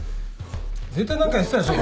絶対何かやってたでしょ？